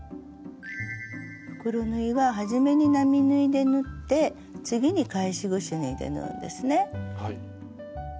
袋縫いははじめに並縫いで縫って次に返しぐし縫いで縫うんですね。